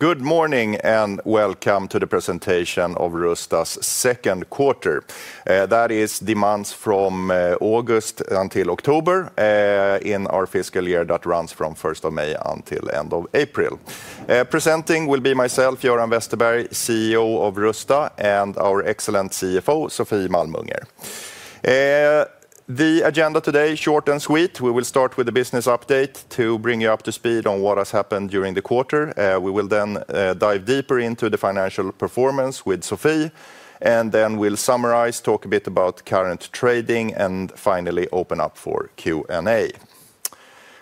Good morning and welcome to the presentation of Rusta's second quarter. That is the months from August until October in our fiscal year that runs from 1st May until end of April. Presenting will be myself, Göran Westerberg, CEO of Rusta, and our excellent CFO, Sofie Malmunger. The agenda today, short and sweet. We will start with the business update to bring you up to speed on what has happened during the quarter. We will then dive deeper into the financial performance with Sofie, and then we'll summarize, talk a bit about current trading, and finally open up for Q&A.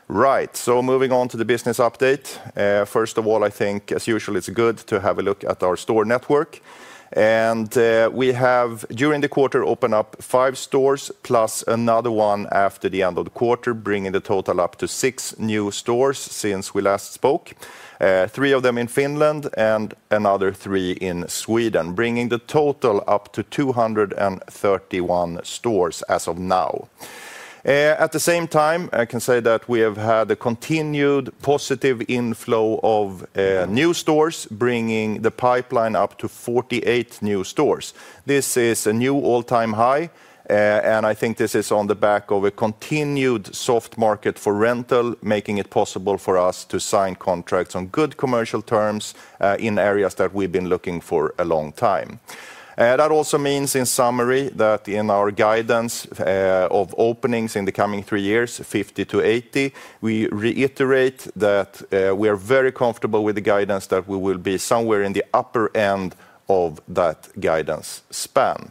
Right, so moving on to the business update. First of all, I think, as usual, it's good to have a look at our store network. We have, during the quarter, opened up five stores, plus another one after the end of the quarter, bringing the total up to six new stores since we last spoke. Three of them in Finland and another three in Sweden, bringing the total up to 231 stores as of now. At the same time, I can say that we have had a continued positive inflow of new stores, bringing the pipeline up to 48 new stores. This is a new all-time high, and I think this is on the back of a continued soft market for rental, making it possible for us to sign contracts on good commercial terms in areas that we've been looking for a long time. That also means, in summary, that in our guidance of openings in the coming three years, 50-80, we reiterate that we are very comfortable with the guidance that we will be somewhere in the upper end of that guidance span.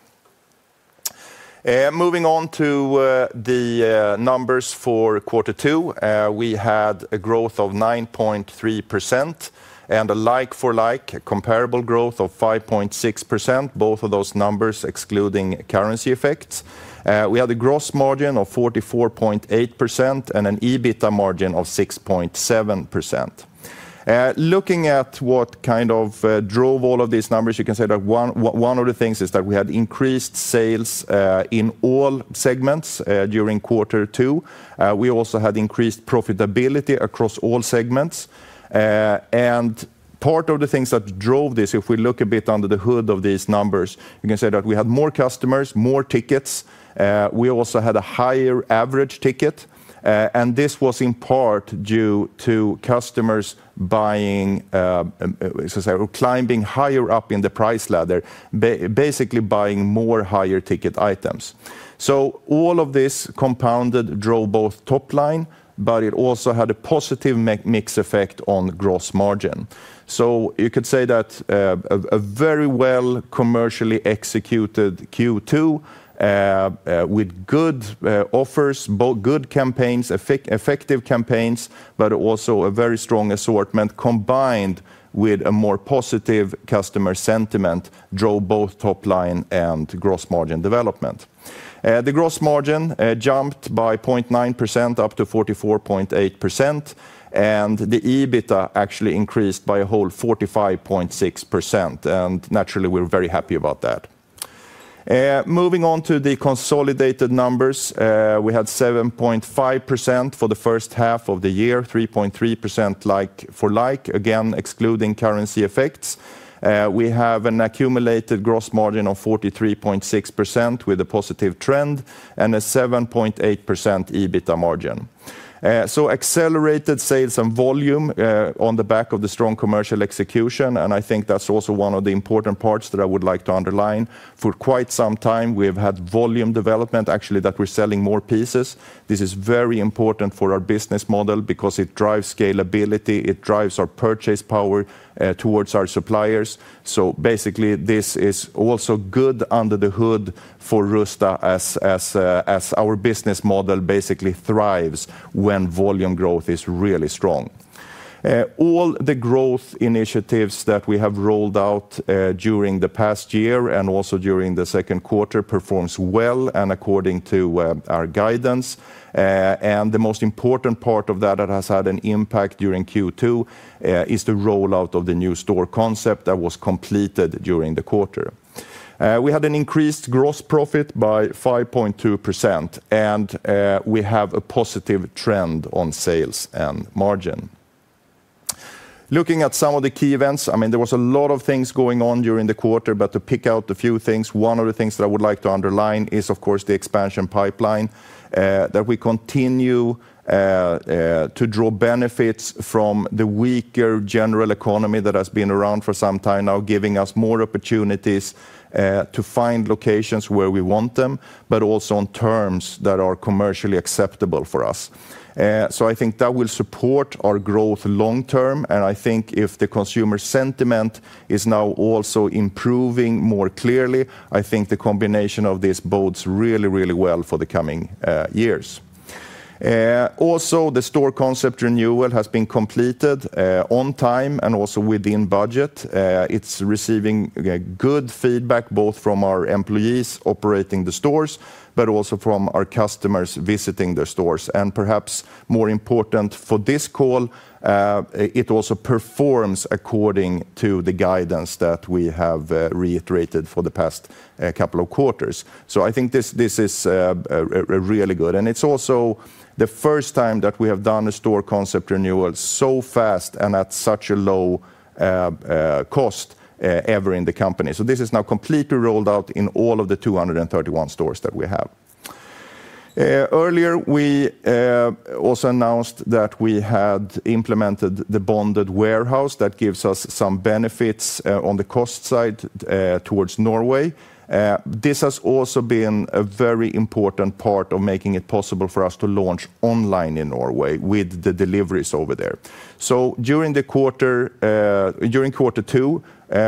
Moving on to the numbers for quarter two, we had a growth of 9.3% and a like-for-like comparable growth of 5.6%, both of those numbers excluding currency effects. We had a gross margin of 44.8% and an EBITDA margin of 6.7%. Looking at what kind of drove all of these numbers, you can say that one of the things is that we had increased sales in all segments during quarter two. We also had increased profitability across all segments. And part of the things that drove this, if we look a bit under the hood of these numbers, you can say that we had more customers, more tickets. We also had a higher average ticket, and this was in part due to customers buying, climbing higher up in the price ladder, basically buying more higher ticket items. So all of this compounded drove both top-line, but it also had a positive mix effect on gross margin. So you could say that a very well commercially executed Q2 with good offers, good campaigns, effective campaigns, but also a very strong assortment combined with a more positive customer sentiment drove both top-line and gross margin development. The gross margin jumped by 0.9% up to 44.8%, and the EBITDA actually increased by a whole 45.6%. And naturally, we're very happy about that. Moving on to the consolidated numbers, we had 7.5% for the first half of the year, 3.3% like-for-like, again, excluding currency effects. We have an accumulated gross margin of 43.6% with a positive trend and a 7.8% EBITDA margin, so accelerated sales and volume on the back of the strong commercial execution, and I think that's also one of the important parts that I would like to underline. For quite some time, we have had volume development, actually, that we're selling more pieces. This is very important for our business model because it drives scalability, it drives our purchase power towards our suppliers. So basically, this is also good under the hood for Rusta as our business model basically thrives when volume growth is really strong. All the growth initiatives that we have rolled out during the past year and also during the second quarter performed well, and according to our guidance. And the most important part of that that has had an impact during Q2 is the rollout of the new store concept that was completed during the quarter. We had an increased gross profit by 5.2%, and we have a positive trend on sales and margin. Looking at some of the key events, I mean, there were a lot of things going on during the quarter, but to pick out a few things, one of the things that I would like to underline is, of course, the expansion pipeline, that we continue to draw benefits from the weaker general economy that has been around for some time now, giving us more opportunities to find locations where we want them, but also on terms that are commercially acceptable for us. So I think that will support our growth long term, and I think if the consumer sentiment is now also improving more clearly, I think the combination of this bodes really, really well for the coming years. Also, the store concept renewal has been completed on time and also within budget. It's receiving good feedback both from our employees operating the stores, but also from our customers visiting the stores. And perhaps more important for this call, it also performs according to the guidance that we have reiterated for the past couple of quarters. So I think this is really good, and it's also the first time that we have done a store concept renewal so fast and at such a low cost ever in the company. So this is now completely rolled out in all of the 231 stores that we have. Earlier, we also announced that we had implemented the bonded warehouse that gives us some benefits on the cost side towards Norway. This has also been a very important part of making it possible for us to launch online in Norway with the deliveries over there. So during the quarter, during quarter two,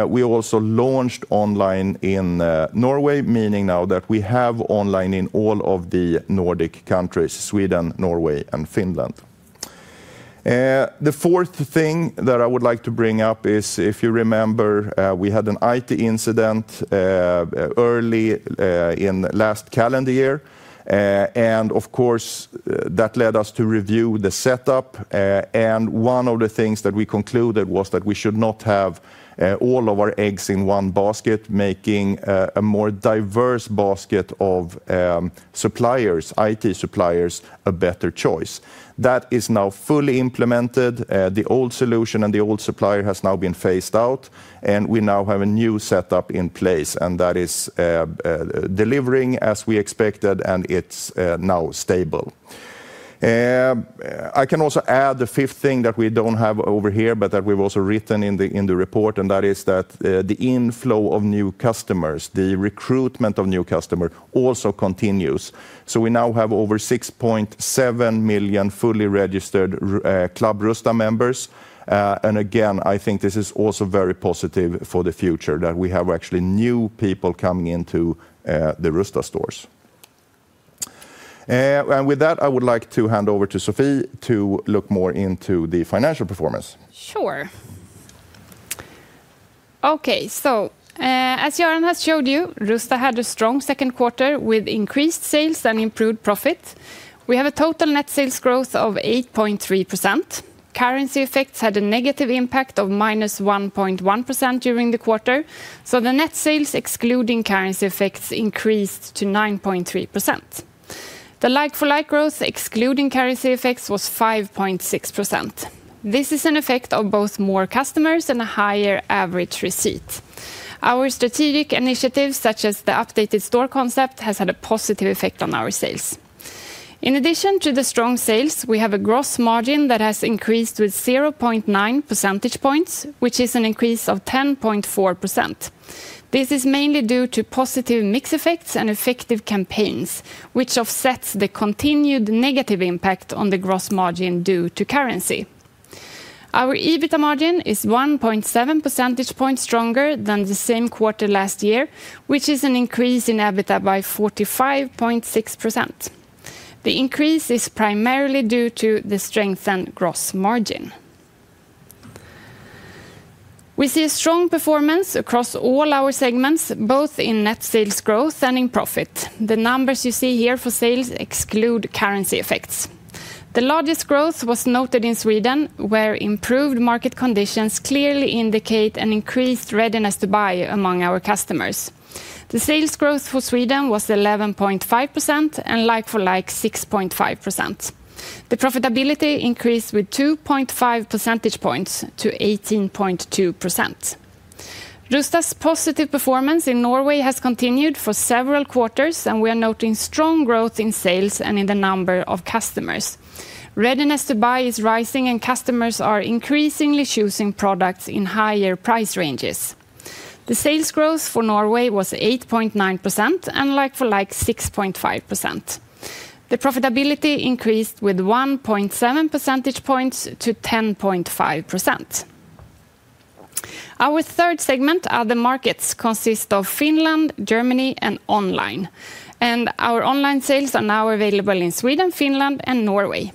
we also launched online in Norway, meaning now that we have online in all of the Nordic countries, Sweden, Norway, and Finland. The fourth thing that I would like to bring up is, if you remember, we had an IT incident early in last calendar year, and of course, that led us to review the setup. And one of the things that we concluded was that we should not have all of our eggs in one basket, making a more diverse basket of suppliers, IT suppliers, a better choice. That is now fully implemented. The old solution and the old supplier have now been phased out, and we now have a new setup in place, and that is delivering as we expected, and it's now stable. I can also add the fifth thing that we don't have over here, but that we've also written in the report, and that is that the inflow of new customers, the recruitment of new customers, also continues. So we now have over 6.7 million fully registered Club Rusta members, and again, I think this is also very positive for the future that we have actually new people coming into the Rusta stores. And with that, I would like to hand over to Sofie to look more into the financial performance. Sure. Okay, so as Göran has showed you, Rusta had a strong second quarter with increased sales and improved profit. We have a total net sales growth of 8.3%. Currency effects had a negative impact of -1.1% during the quarter, so the net sales excluding currency effects increased to 9.3%. The like-for-like growth excluding currency effects was 5.6%. This is an effect of both more customers and a higher average receipt. Our strategic initiatives, such as the updated store concept, have had a positive effect on our sales. In addition to the strong sales, we have a gross margin that has increased with 0.9 percentage points, which is an increase of 10.4%. This is mainly due to positive mix effects and effective campaigns, which offsets the continued negative impact on the gross margin due to currency. Our EBITDA margin is 1.7 percentage points stronger than the same quarter last year, which is an increase in EBITDA by 45.6%. The increase is primarily due to the strengthened gross margin. We see a strong performance across all our segments, both in net sales growth and in profit. The numbers you see here for sales exclude currency effects. The largest growth was noted in Sweden, where improved market conditions clearly indicate an increased readiness to buy among our customers. The sales growth for Sweden was 11.5% and like-for-like 6.5%. The profitability increased with 2.5 percentage points to 18.2%. Rusta's positive performance in Norway has continued for several quarters, and we are noting strong growth in sales and in the number of customers. Readiness to buy is rising, and customers are increasingly choosing products in higher price ranges. The sales growth for Norway was 8.9% and like-for-like 6.5%. The profitability increased with 1.7 percentage points to 10.5%. Our third segment, Other Markets, consists of Finland, Germany, and online, and our online sales are now available in Sweden, Finland, and Norway.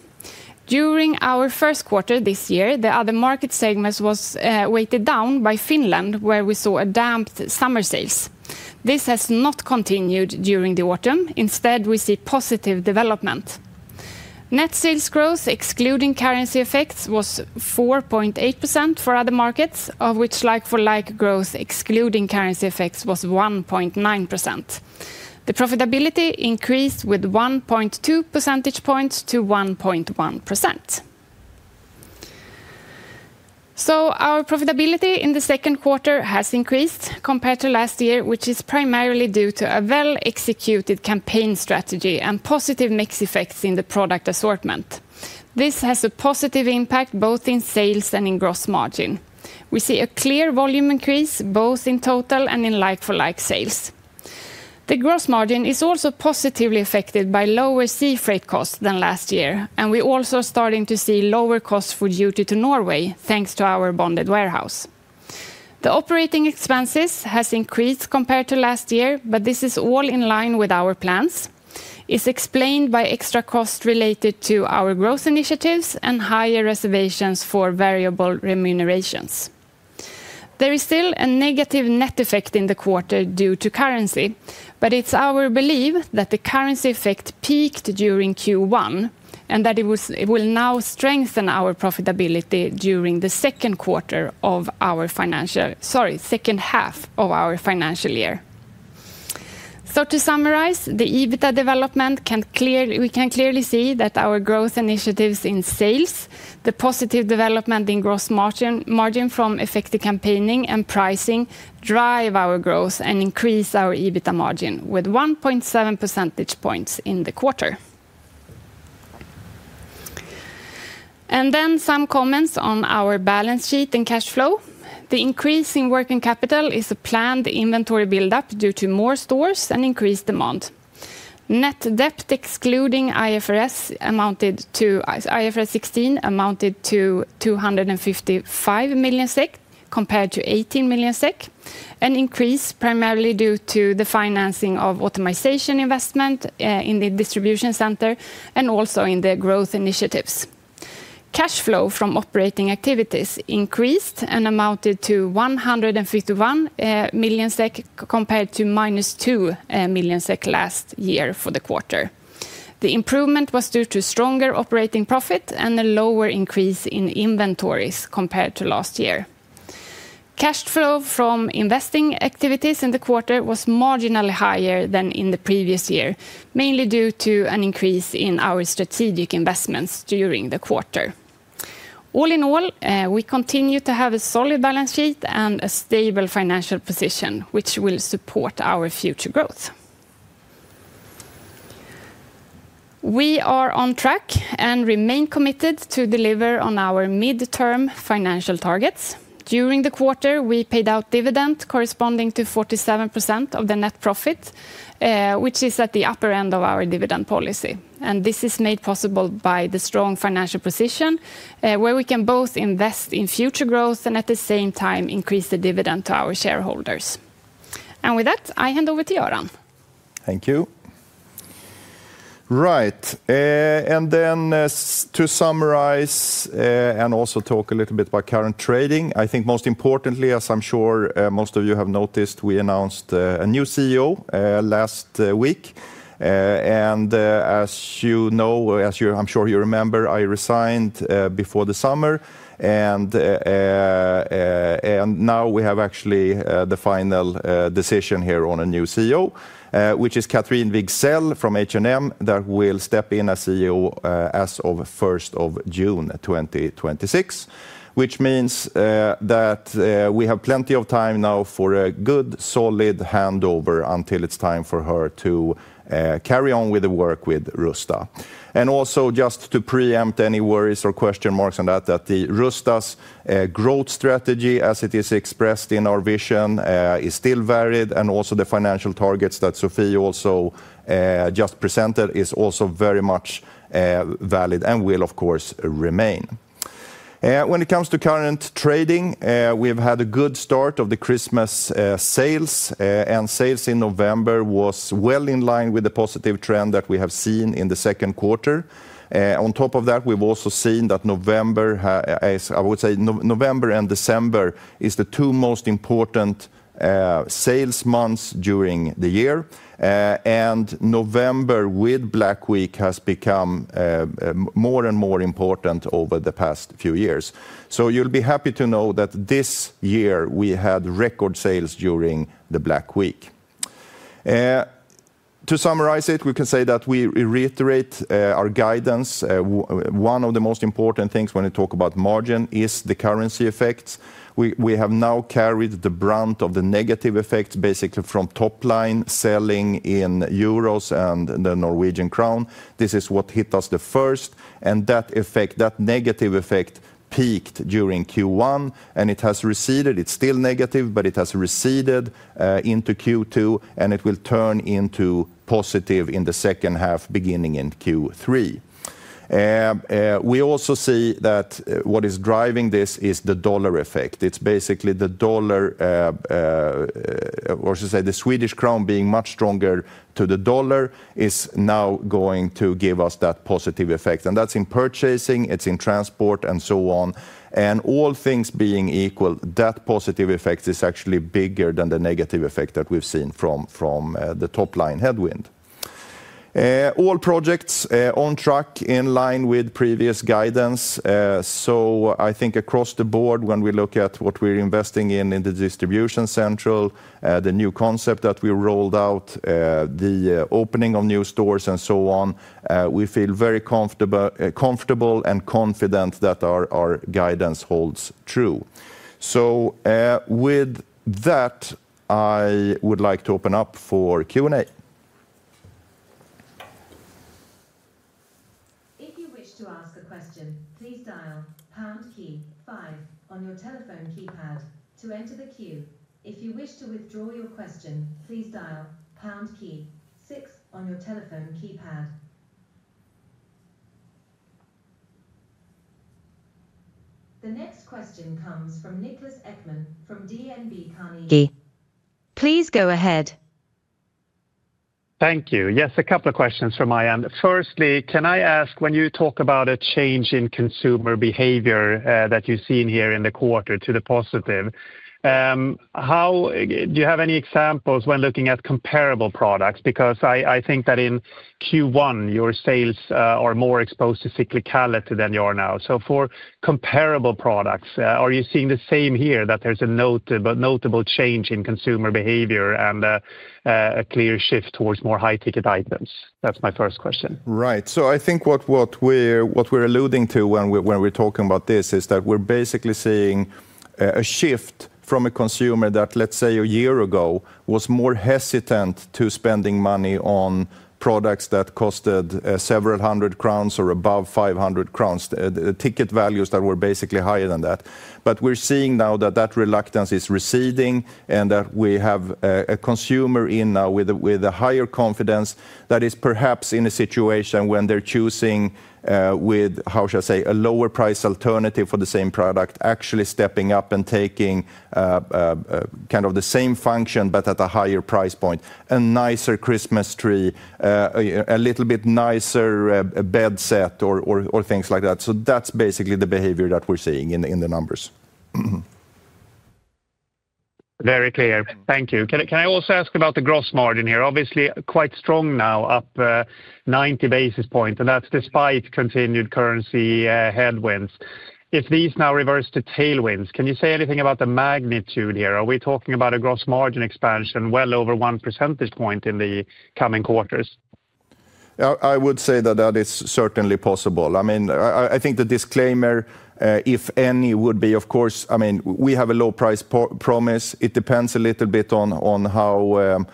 During our first quarter this year, the other market segments were weighted down by Finland, where we saw a damp summer sales. This has not continued during the autumn. Instead, we see positive development. Net sales growth, excluding currency effects, was 4.8% for Other Markets, of which like-for-like growth, excluding currency effects, was 1.9%. The profitability increased with 1.2 percentage points to 1.1%, so our profitability in the second quarter has increased compared to last year, which is primarily due to a well-executed campaign strategy and positive mix effects in the product assortment. This has a positive impact both in sales and in gross margin. We see a clear volume increase both in total and in like-for-like sales. The gross margin is also positively affected by lower sea freight costs than last year, and we also are starting to see lower costs for duty to Norway, thanks to our bonded warehouse. The operating expenses have increased compared to last year, but this is all in line with our plans. It's explained by extra costs related to our growth initiatives and higher reservations for variable remunerations. There is still a negative net effect in the quarter due to currency, but it's our belief that the currency effect peaked during Q1 and that it will now strengthen our profitability during the second quarter of our financial, sorry, second half of our financial year. So to summarize, we can clearly see that our growth initiatives in sales, the positive development in gross margin from effective campaigning and pricing drive our growth and increase our EBITDA margin with 1.7 percentage points in the quarter. And then some comments on our balance sheet and cash flow. The increase in working capital is a planned inventory build-up due to more stores and increased demand. Net debt excluding IFRS 16 amounted to 255 million SEK compared to 18 million SEK, an increase primarily due to the financing of optimization investment in the distribution center and also in the growth initiatives. Cash flow from operating activities increased and amounted to 151 million SEK compared to -2 million SEK last year for the quarter. The improvement was due to stronger operating profit and a lower increase in inventories compared to last year. Cash flow from investing activities in the quarter was marginally higher than in the previous year, mainly due to an increase in our strategic investments during the quarter. All in all, we continue to have a solid balance sheet and a stable financial position, which will support our future growth. We are on track and remain committed to deliver on our midterm financial targets. During the quarter, we paid out dividend corresponding to 47% of the net profit, which is at the upper end of our dividend policy, and this is made possible by the strong financial position where we can both invest in future growth and at the same time increase the dividend to our shareholders, and with that, I hand over to Göran. Thank you. Right, and then to summarize and also talk a little bit about current trading, I think most importantly, as I'm sure most of you have noticed, we announced a new CEO last week, and as you know, as you, I'm sure you remember, I resigned before the summer, and now we have actually the final decision here on a new CEO, which is Cathrine Wigzell from H&M that will step in as CEO as of 1st of June 2026, which means that we have plenty of time now for a good solid handover until it's time for her to carry on with the work with Rusta. And also just to preempt any worries or question marks on that, that Rusta's growth strategy, as it is expressed in our vision, is still valid, and also the financial targets that Sofie also just presented is also very much valid and will, of course, remain. When it comes to current trading, we've had a good start of the Christmas sales, and sales in November were well in line with the positive trend that we have seen in the second quarter. On top of that, we've also seen that November, I would say November and December, are the two most important sales months during the year, and November with Black Week has become more and more important over the past few years. So you'll be happy to know that this year we had record sales during the Black Week. To summarize it, we can say that we reiterate our guidance. One of the most important things when we talk about margin is the currency effects. We have now carried the brunt of the negative effects, basically from top-line selling in euros and the Norwegian krone. This is what hit us first, and that effect, that negative effect peaked during Q1, and it has receded. It's still negative, but it has receded into Q2, and it will turn into positive in the second half, beginning in Q3. We also see that what is driving this is the dollar effect. It's basically the dollar, or should I say the Swedish krona being much stronger to the dollar is now going to give us that positive effect, and that's in purchasing, it's in transport, and so on. And all things being equal, that positive effect is actually bigger than the negative effect that we've seen from the top-line headwind. All projects on track in line with previous guidance. So I think across the board, when we look at what we're investing in, in the distribution central, the new concept that we rolled out, the opening of new stores, and so on, we feel very comfortable and confident that our guidance holds true. So with that, I would like to open up for Q&A. If you wish to ask a question, please dial pound key five on your telephone keypad to enter the queue. If you wish to withdraw your question, please dial pound key six on your telephone keypad. The next question comes from Niklas Ekman from DNB Carnegie. Please go ahead. Thank you. Yes, a couple of questions from my end. Firstly, can I ask, when you talk about a change in consumer behavior that you've seen here in the quarter to the positive, do you have any examples when looking at comparable products? Because I think that in Q1, your sales are more exposed to cyclicality than you are now. So for comparable products, are you seeing the same here, that there's a notable change in consumer behavior and a clear shift towards more high-ticket items? That's my first question. Right, so I think what we're alluding to when we're talking about this is that we're basically seeing a shift from a consumer that, let's say, a year ago was more hesitant to spending money on products that costed several 100 kronor or above 500 kronor, ticket values that were basically higher than that. But we're seeing now that that reluctance is receding and that we have a consumer in now with a higher confidence that is perhaps in a situation when they're choosing with, how should I say, a lower price alternative for the same product, actually stepping up and taking kind of the same function, but at a higher price point, a nicer Christmas tree, a little bit nicer bed set, or things like that. So that's basically the behavior that we're seeing in the numbers. Very clear. Thank you. Can I also ask about the gross margin here? Obviously, quite strong now, up 90 basis points, and that's despite continued currency headwinds. If these now reverse to tailwinds, can you say anything about the magnitude here? Are we talking about a gross margin expansion well over one percentage point in the coming quarters? I would say that that is certainly possible. I mean, I think the disclaimer, if any, would be, of course, I mean, we have a low price promise. It depends a little bit on how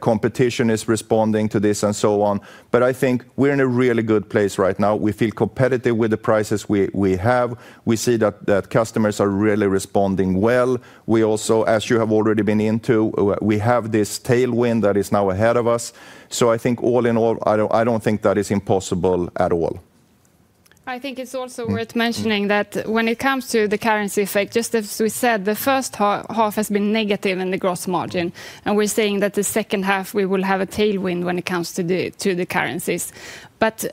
competition is responding to this and so on. But I think we're in a really good place right now. We feel competitive with the prices we have. We see that customers are really responding well. We also, as you have already been into, we have this tailwind that is now ahead of us. So I think all in all, I don't think that is impossible at all. I think it's also worth mentioning that when it comes to the currency effect, just as we said, the first half has been negative in the gross margin, and we're seeing that the second half we will have a tailwind when it comes to the currencies, but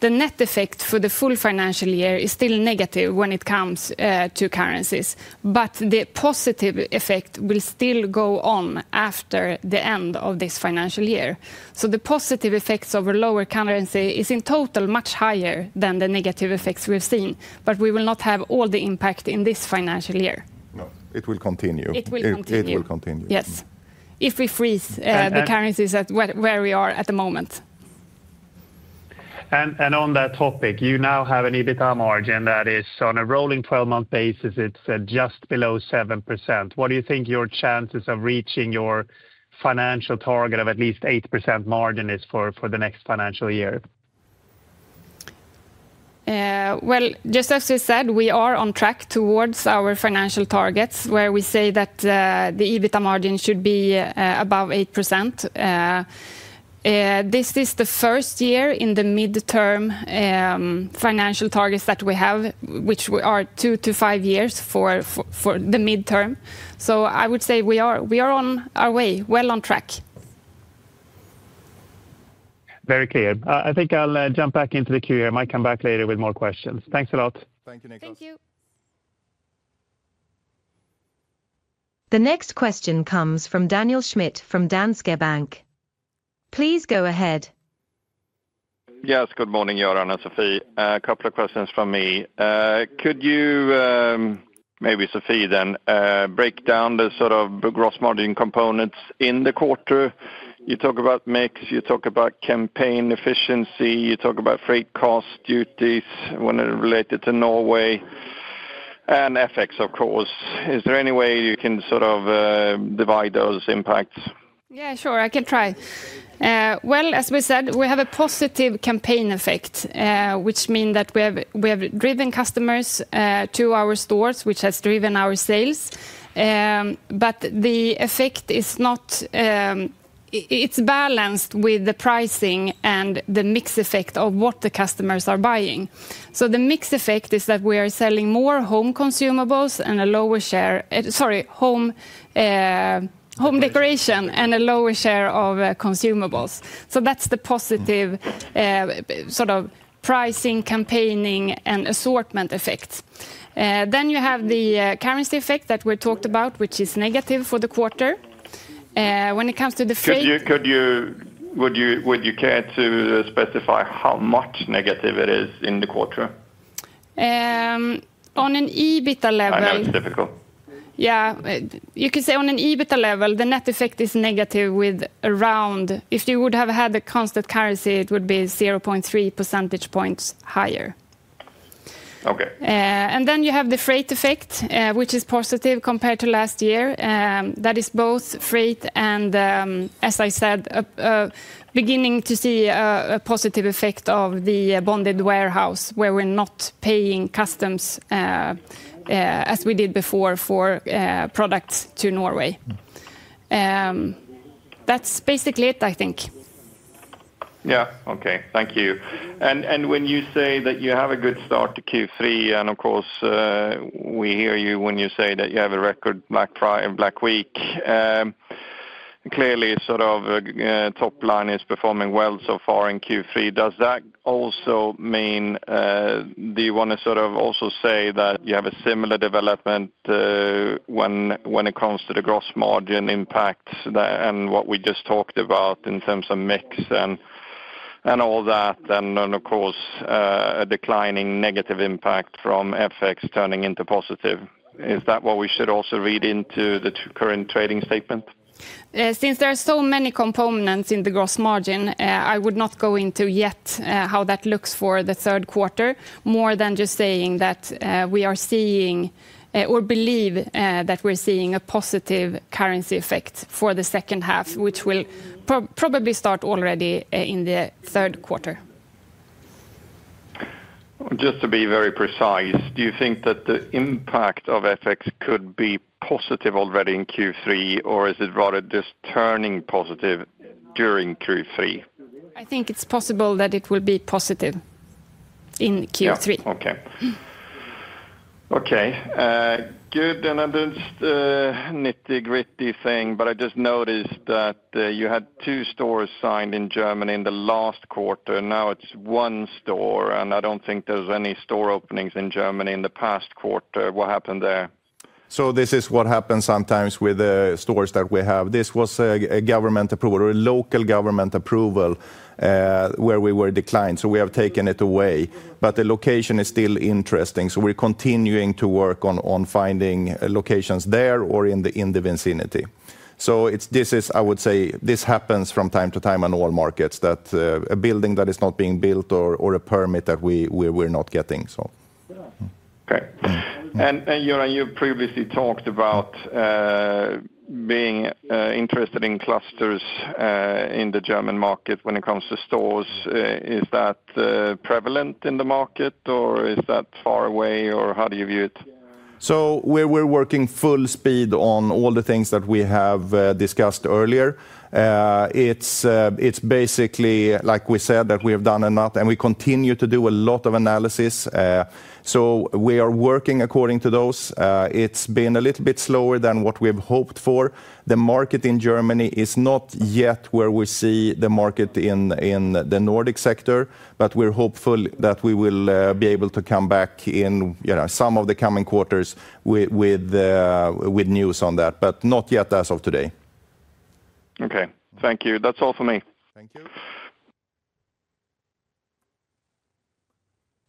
the net effect for the full financial year is still negative when it comes to currencies, but the positive effect will still go on after the end of this financial year, so the positive effects of a lower currency is in total much higher than the negative effects we've seen, but we will not have all the impact in this financial year. It will continue. It will continue. It will continue. Yes, if we freeze the currencies at where we are at the moment. On that topic, you now have an EBITDA margin that is on a rolling 12-month basis. It's just below 7%. What do you think your chances of reaching your financial target of at least 8% margin is for the next financial year? Just as we said, we are on track towards our financial targets where we say that the EBITDA margin should be above 8%. This is the first year in the midterm financial targets that we have, which are 2-5 years for the midterm. I would say we are on our way, well on track. Very clear. I think I'll jump back into the queue here, and I might come back later with more questions. Thanks a lot. Thank you, Niklas. Thank you. The next question comes from Daniel Schmidt from Danske Bank. Please go ahead. Yes, good morning, Göran and Sofie. A couple of questions from me. Could you, maybe Sofie then, break down the sort of gross margin components in the quarter? You talk about mix, you talk about campaign efficiency, you talk about freight cost duties when it related to Norway, and effects, of course. Is there any way you can sort of divide those impacts? Yeah, sure, I can try. Well, as we said, we have a positive campaign effect, which means that we have driven customers to our stores, which has driven our sales. But the effect is not, it's balanced with the pricing and the mix effect of what the customers are buying. So the mix effect is that we are selling more Home Consumables and a lower share, sorry, Home Decoration and a lower share of Consumables. So that's the positive sort of pricing, campaigning, and assortment effects. Then you have the currency effect that we talked about, which is negative for the quarter. When it comes to the freight. Could you care to specify how much negative it is in the quarter? On an EBITDA level. I know it's difficult. Yeah, you could say on an EBITDA level, the net effect is negative with around, if you would have had a constant currency, it would be 0.3 percentage points higher. Okay. Then you have the freight effect, which is positive compared to last year. That is both freight and, as I said, beginning to see a positive effect of the bonded warehouse where we're not paying customs as we did before for products to Norway. That's basically it, I think. Yeah, okay, thank you and when you say that you have a good start to Q3, and of course, we hear you when you say that you have a record Black Week. Clearly, sort of top-line is performing well so far in Q3. Does that also mean, do you want to sort of also say that you have a similar development when it comes to the gross margin impacts and what we just talked about in terms of mix and all that, and of course, a declining negative impact from effects turning into positive? Is that what we should also read into the current trading statement? Since there are so many components in the gross margin, I would not go into yet how that looks for the third quarter, more than just saying that we are seeing or believe that we're seeing a positive currency effect for the second half, which will probably start already in the third quarter. Just to be very precise, do you think that the impact of effects could be positive already in Q3, or is it rather just turning positive during Q3? I think it's possible that it will be positive in Q3. Okay. Okay, good. And I don't want to nitpick, but I just noticed that you had two stores signed in Germany in the last quarter. Now it's one store, and I don't think there's any store openings in Germany in the past quarter. What happened there? So this is what happens sometimes with the stores that we have. This was a government approval or a local government approval where we were declined. So we have taken it away, but the location is still interesting. So we're continuing to work on finding locations there or in the vicinity. So this is, I would say, this happens from time to time on all markets, that a building that is not being built or a permit that we're not getting. Okay. And Göran, you previously talked about being interested in clusters in the German market when it comes to stores. Is that prevalent in the market, or is that far away, or how do you view it? So we're working full speed on all the things that we have discussed earlier. It's basically, like we said, that we have done a lot, and we continue to do a lot of analysis. So we are working according to those. It's been a little bit slower than what we've hoped for. The market in Germany is not yet where we see the market in the Nordic sector, but we're hopeful that we will be able to come back in some of the coming quarters with news on that, but not yet as of today. Okay, thank you. That's all for me. Thank you.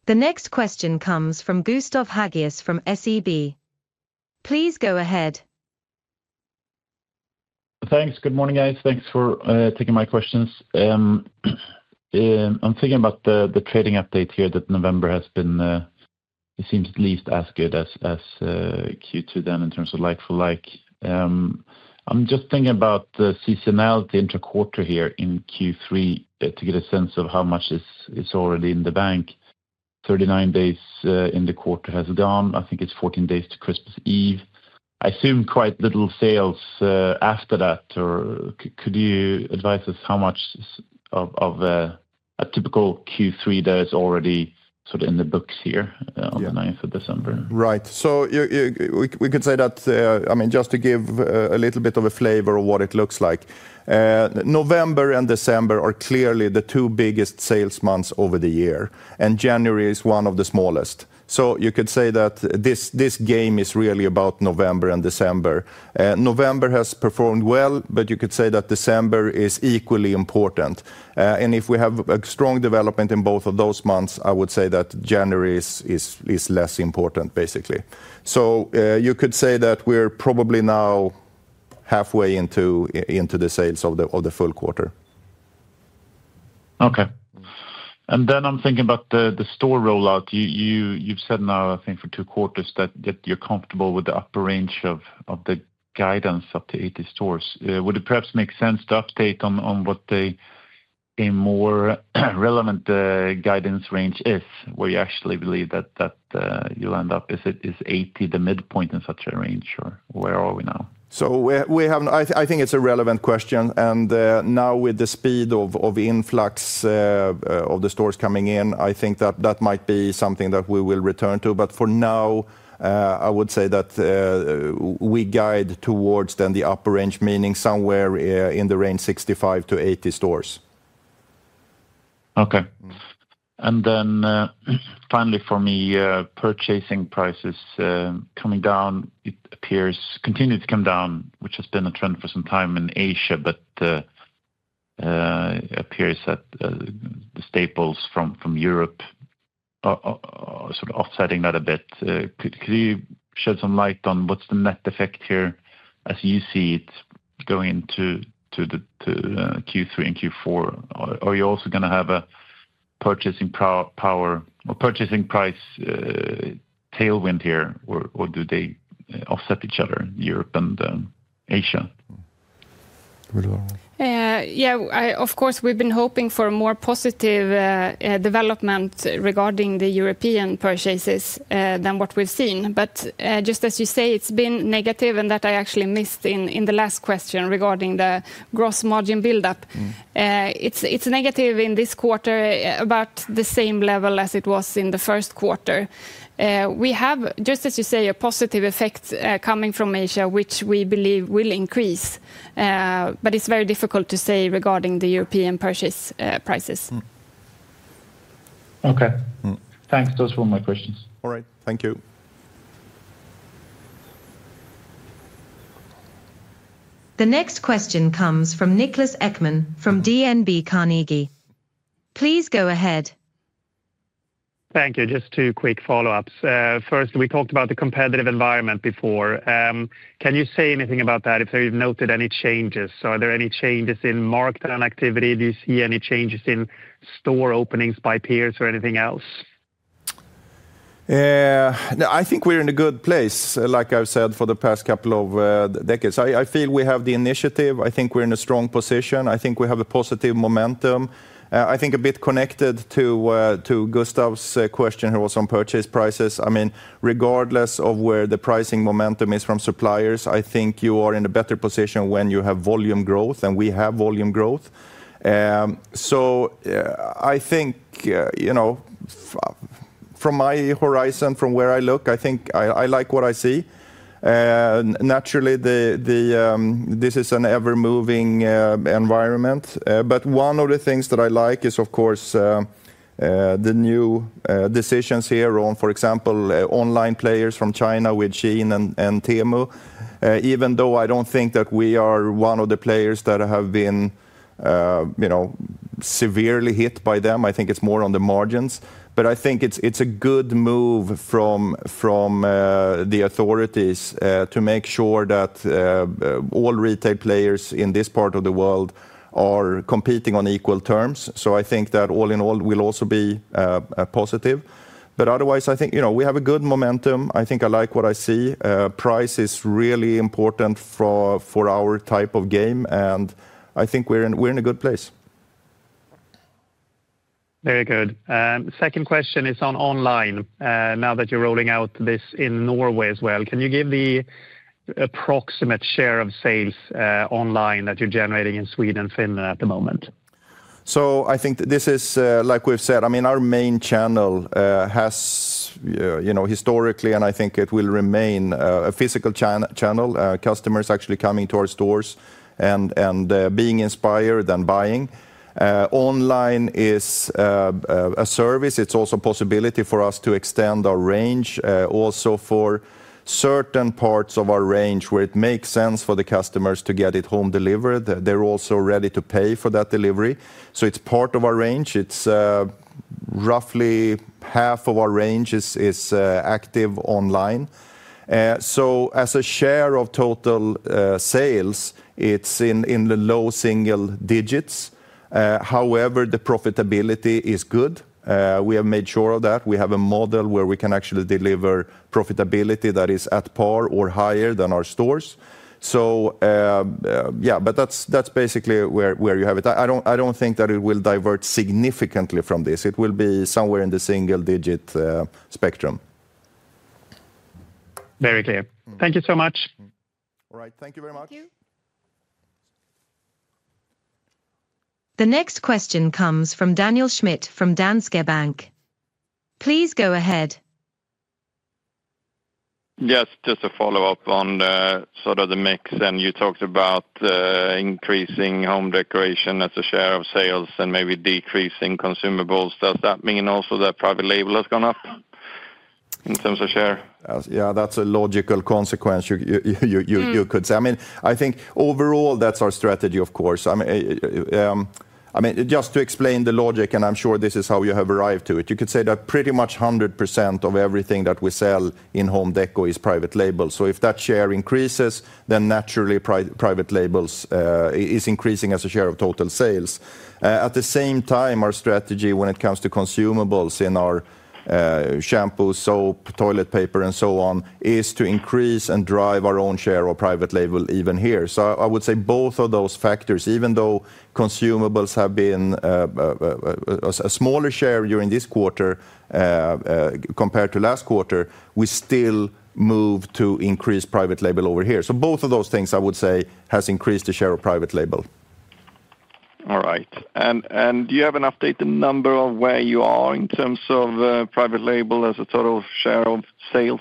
The next question comes from Gustav Hagéus from SEB. Please go ahead. Thanks. Good morning, guys. Thanks for taking my questions. I'm thinking about the trading update here that November has been, it seems, at least as good as Q2 then in terms of like-for-like. I'm just thinking about the seasonality into quarter here in Q3 to get a sense of how much is already in the bank. 39 days in the quarter has gone. I think it's 14 days to Christmas Eve. I assume quite little sales after that. Could you advise us how much of a typical Q3 that is already sort of in the books here on the 9th of December? Right. So we could say that, I mean, just to give a little bit of a flavor of what it looks like, November and December are clearly the two biggest sales months over the year, and January is one of the smallest, so you could say that this game is really about November and December. November has performed well, but you could say that December is equally important, and if we have a strong development in both of those months, I would say that January is less important, basically, so you could say that we're probably now halfway into the sales of the full quarter. Okay. And then I'm thinking about the store rollout. You've said now, I think, for two quarters that you're comfortable with the upper range of the guidance up to 80 stores. Would it perhaps make sense to update on what a more relevant guidance range is, where you actually believe that you'll end up? Is 80 the midpoint in such a range, or where are we now? So I think it's a relevant question. And now with the speed of influx of the stores coming in, I think that that might be something that we will return to. But for now, I would say that we guide towards then the upper range, meaning somewhere in the range 65-80 stores. Okay. And then finally for me, purchasing prices coming down, it appears continue to come down, which has been a trend for some time in Asia, but it appears that the staples from Europe are sort of offsetting that a bit. Could you shed some light on what's the net effect here as you see it going into Q3 and Q4? Are you also going to have a purchasing power or purchasing price tailwind here, or do they offset each other, Europe and Asia? Yeah, of course, we've been hoping for more positive development regarding the European purchases than what we've seen. But just as you say, it's been negative, and that I actually missed in the last question regarding the gross margin buildup. It's negative in this quarter, about the same level as it was in the first quarter. We have, just as you say, a positive effect coming from Asia, which we believe will increase, but it's very difficult to say regarding the European purchase prices. Okay. Thanks. Those were my questions. All right. Thank you. The next question comes from Niklas Ekman from DNB Carnegie. Please go ahead. Thank you. Just two quick follow-ups. First, we talked about the competitive environment before. Can you say anything about that, if you've noted any changes? Are there any changes in market activity? Do you see any changes in store openings by peers or anything else? I think we're in a good place, like I've said, for the past couple of decades. I feel we have the initiative. I think we're in a strong position. I think we have a positive momentum. I think a bit connected to Gustav's question, who was on purchase prices. I mean, regardless of where the pricing momentum is from suppliers, I think you are in a better position when you have volume growth, and we have volume growth. So I think, you know, from my horizon, from where I look, I think I like what I see. Naturally, this is an ever-moving environment. But one of the things that I like is, of course, the new decisions here on, for example, online players from China with Shein and Temu, even though I don't think that we are one of the players that have been severely hit by them. I think it's more on the margins, but I think it's a good move from the authorities to make sure that all retail players in this part of the world are competing on equal terms, so I think that all in all will also be positive, but otherwise, I think, you know, we have a good momentum. I think I like what I see. Price is really important for our type of game, and I think we're in a good place. Very good. Second question is on online. Now that you're rolling out this in Norway as well, can you give the approximate share of sales online that you're generating in Sweden and Finland at the moment? So I think this is, like we've said, I mean, our main channel has, you know, historically, and I think it will remain a physical channel, customers actually coming to our stores and being inspired and buying. Online is a service. It's also a possibility for us to extend our range. Also, for certain parts of our range where it makes sense for the customers to get it home delivered, they're also ready to pay for that delivery. So it's part of our range. It's roughly half of our range is active online. So as a share of total sales, it's in the low single digits. However, the profitability is good. We have made sure of that. We have a model where we can actually deliver profitability that is at par or higher than our stores. So yeah, but that's basically where you have it.I don't think that it will divert significantly from this. It will be somewhere in the single-digit spectrum. Very clear. Thank you so much. All right. Thank you very much. Thank you. The next question comes from Daniel Schmidt from Danske Bank. Please go ahead. Yes, just a follow-up on sort of the mix, and you talked about increasing Home Decoration as a share of sales and maybe decreasing Consumables. Does that mean also that private label has gone up in terms of share? Yeah, that's a logical consequence, you could say. I mean, I think overall, that's our strategy, of course. I mean, just to explain the logic, and I'm sure this is how you have arrived to it, you could say that pretty much 100% of everything that we sell in home decor is private label. So if that share increases, then naturally private label is increasing as a share of total sales. At the same time, our strategy when it comes to Consumables in our shampoo, soap, toilet paper, and so on is to increase and drive our own share of private label even here. So I would say both of those factors, even though Consumables have been a smaller share during this quarter compared to last quarter, we still move to increase private label over here. So both of those things, I would say, have increased the share of private label. All right. And do you have an update on the number or where you are in terms of private label as a total share of sales?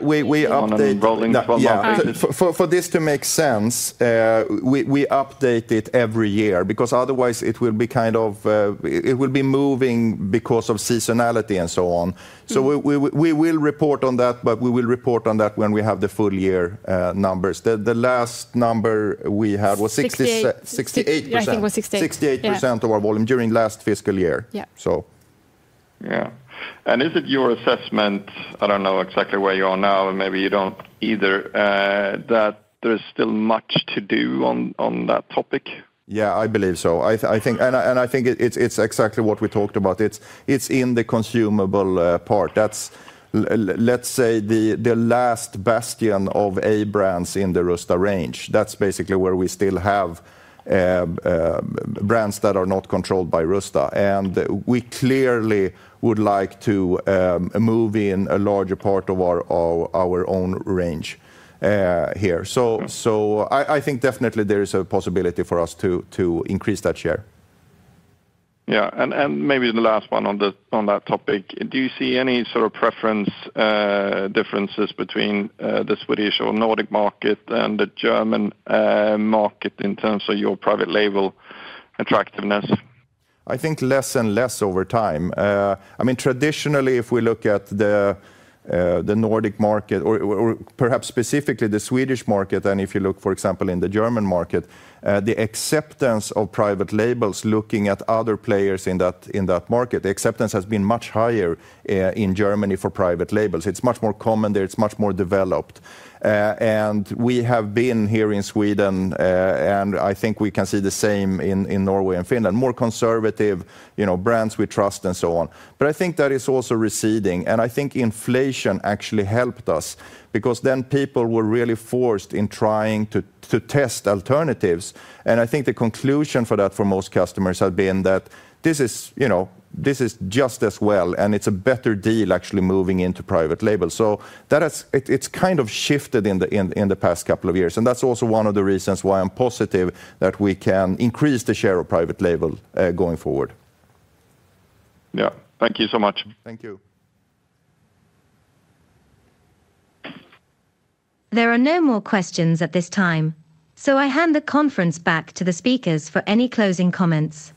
We update for this to make sense, we update it every year because otherwise it will be kind of, it will be moving because of seasonality and so on. So we will report on that, but we will report on that when we have the full year numbers. The last number we had was 68%. Yeah, I think it was 68%. 68% of our volume during last fiscal year. Yeah. Yeah, and is it your assessment? I don't know exactly where you are now, maybe you don't either, that there's still much to do on that topic. Yeah, I believe so. And I think it's exactly what we talked about. It's in the Consumable part. That's, let's say, the last bastion of A brands in the Rusta range. That's basically where we still have brands that are not controlled by Rusta. And we clearly would like to move in a larger part of our own range here. So I think definitely there is a possibility for us to increase that share. Yeah. And maybe the last one on that topic. Do you see any sort of preference differences between the Swedish or Nordic market and the German market in terms of your private label attractiveness? I think less and less over time. I mean, traditionally, if we look at the Nordic market, or perhaps specifically the Swedish market, and if you look, for example, in the German market, the acceptance of private labels, looking at other players in that market, the acceptance has been much higher in Germany for private labels. It's much more common there. It's much more developed. And we have been here in Sweden, and I think we can see the same in Norway and Finland, more conservative brands we trust and so on. But I think that is also receding. And I think inflation actually helped us because then people were really forced in trying to test alternatives. And I think the conclusion for that for most customers has been that this is just as well, and it's a better deal actually moving into private label. So it's kind of shifted in the past couple of years. And that's also one of the reasons why I'm positive that we can increase the share of private label going forward. Yeah. Thank you so much. Thank you. There are no more questions at this time. So I hand the conference back to the speakers for any closing comments.